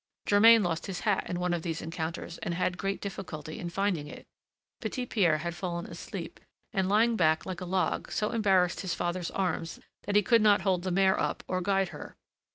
Germain lost his hat in one of these encounters, and had great difficulty in finding it. Petit Pierre had fallen asleep, and, lying back like a log, so embarrassed his father's arms that he could not hold the mare up or guide her.